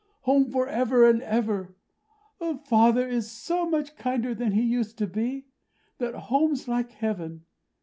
Home, for ever and ever. Father is so much kinder than he used to be, that home's like Heaven!